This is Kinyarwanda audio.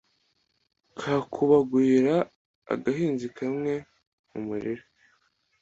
kakubagurira.-agahinzi kamwe mu murima.